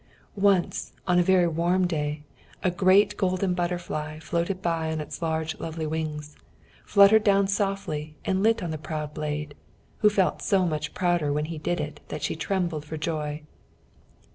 Once, on a very warm day, a great golden butterfly, floating by on his large lovely wings, fluttered down softly and lit on the proud blade, who felt so much prouder when he did it that she trembled for joy.